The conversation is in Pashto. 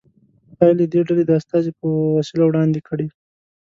پایلې دې ډلې د استازي په وسیله وړاندې کړي.